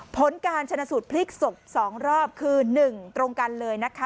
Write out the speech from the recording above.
ผลการชนะสูตรพลิกศพ๒รอบคือ๑ตรงกันเลยนะคะ